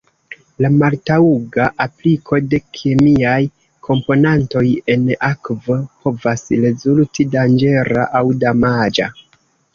La maltaŭga apliko de kemiaj komponantoj en akvo povas rezulti danĝera aŭ damaĝa.